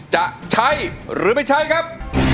จะใช้หรือไม่ใช้ครับ